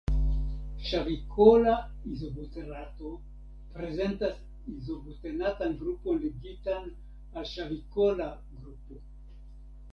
Ŝavikola izobuterato prezentas izobutanatan grupon ligitan al ŝavikola grupo.